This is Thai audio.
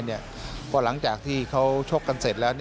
เพราะหลังจากที่เขาชกกันเสร็จแล้ว